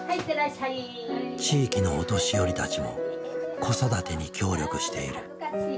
地域のお年寄りたちも子育てに協力している。